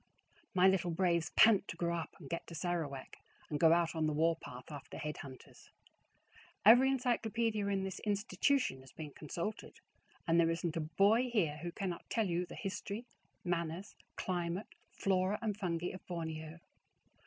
My little braves pant to grow up and get to Sarawak, and go out on the war path after head hunters. Every encyclopedia in this institution has been consulted, and there isn't a boy here who cannot tell you the history, manners, climate, flora, and fungi of Borneo.